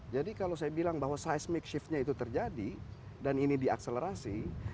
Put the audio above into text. jadi kalau saya bilang bahwa seismic shiftnya itu terjadi dan ini diakselerasi